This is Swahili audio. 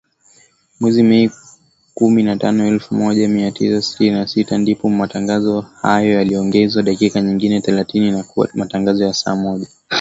Mwezi Mei, kumi na tano elfu moja mia tisa sitini na sita , ndipo matangazo hayo yaliongezewa dakika nyingine thelathini na kuwa matangazo ya saa moja